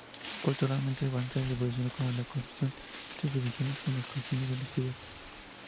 Culturalmente, Evansville evolucionó con la construcción de subdivisiones en los confines de la ciudad.